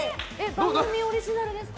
番組オリジナルですか？